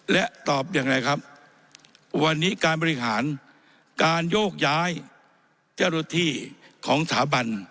และตอบอย่างไรครับวันนี้การบริหารการโยกย้ายเจ้าหน้าที่ของสถาบัน